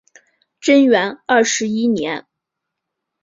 贞元二十一年